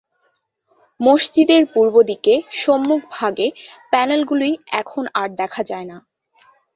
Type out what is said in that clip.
মসজিদের পূর্বদিকের সম্মুখভাগে প্যানেলগুলি এখন আর দেখা যায় না।